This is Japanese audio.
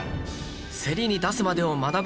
セリに出すまでを学ぶ